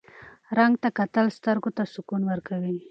رڼا ته کتل سترګو ته سکون ورکوي.